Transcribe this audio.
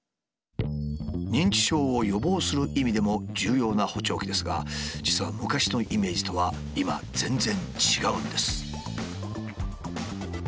認知症を予防する意味でも重要な補聴器ですが実は昔のイメージとは今全然違うんですよ。